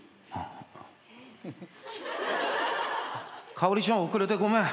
カオリちゃん遅れてごめん。